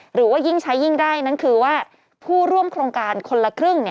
หรือว่ายิ่งใช้ยิ่งได้นั้นคือว่าผู้ร่วมโครงการคนละครึ่ง